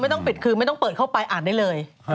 ต้องปิดคือไม่ต้องเปิดเข้าไปอ่านได้เลย